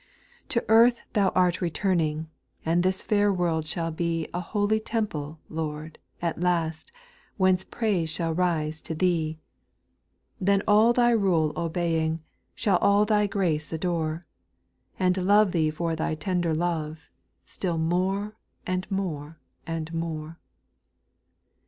8. To earth Thou art returning, and this fair world shall be A holy temple, Lord, at last, whence praise shall rise to Thee ; Then all Thy rule obeying, shall all Thy grace adore, And love Thee for Thy tender love, still more, and more, and more.